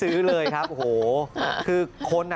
เมื่อวันไม่ได้ซื้อเลยครับโอโห